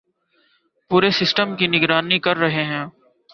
پورے سسٹم کی نگرانی کررہے ہیں